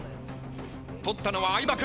取ったのは相葉君。